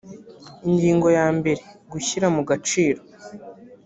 ingingo ya mbere gushyira mu gaciro